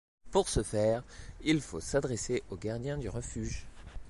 Pour ce faire, il faut s'adresser au gardien du refuge.